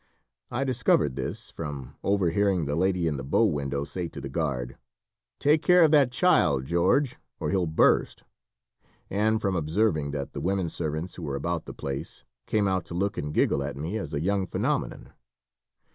I discovered this, from overhearing the lady in the bow window say to the guard: "Take care of that child, George, or he'll burst!" and from observing that the women servants who were about the place came out to look and giggle at me as a young phenomenon.